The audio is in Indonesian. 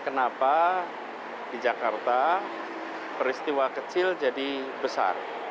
kenapa di jakarta peristiwa kecil jadi besar